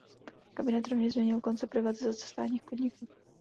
Kabinet rovněž změnil koncept privatizace státních podniků.